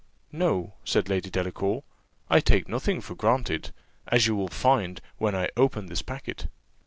"No," said Lady Delacour; "I take nothing for granted, as you will find when I open this packet."